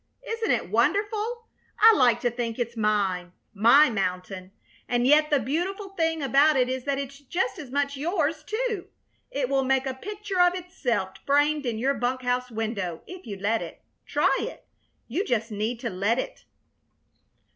Isn't it wonderful? I like to think it's mine my mountain. And yet the beautiful thing about it is that it's just as much yours, too. It will make a picture of itself framed in your bunk house window if you let it. Try it. You just need to let it."